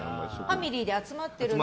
ファミリーで集まってるのに？